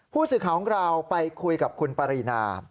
ผู้สื่อข่าวของเราไปคุยกับคุณปรินา